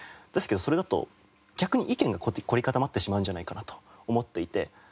ですけどそれだと逆に意見が凝り固まってしまうんじゃないかなと思っていて。